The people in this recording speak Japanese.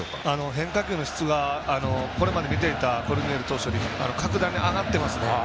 変化球の質がこれまで見ていたコルニエル投手より格段に上がっていますね。